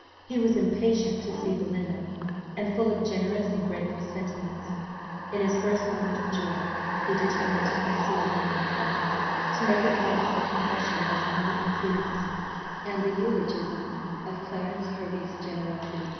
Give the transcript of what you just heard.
He was impatient to see Belinda; and, full of generous and grateful sentiments, in his first moment of joy, he determined to conceal nothing from her; to make at once the confession of his own imprudence and the eulogium of Clarence Hervey's generosity.